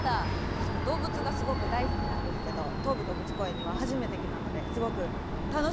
私も動物がすごく大好きなんですけど東武動物公園には初めて来たのですごく楽しみです。